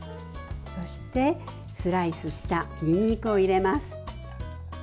そして、スライスしたにんにくを入れます。